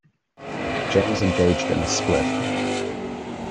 James engaged in a split.